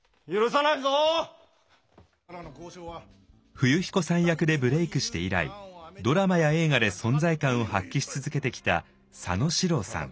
冬彦さん役でブレークして以来ドラマや映画で存在感を発揮し続けてきた佐野史郎さん。